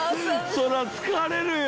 そりゃ疲れるよ。